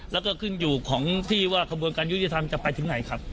แล้วก็ขึ้นอยู่ของที่ว่ากระบวนการยุติธรรมจะไปถึงไหนครับ